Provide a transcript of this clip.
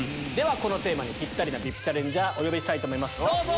このテーマにぴったりなＶＩＰチャレンジャーお呼びします。